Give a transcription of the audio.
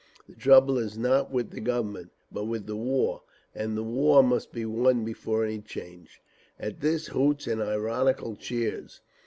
The trouble is not with the Government, but with the war…. and the war must be won before any change—" At this, hoots and ironical cheers.